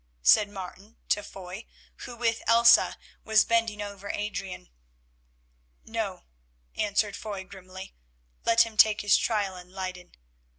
said Martin to Foy, who with Elsa was bending over Adrian. "No," answered Foy grimly, "let him take his trial in Leyden.